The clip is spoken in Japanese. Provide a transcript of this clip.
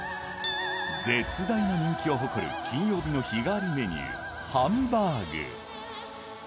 絶大な人気を誇る金曜日の日替わりメニュー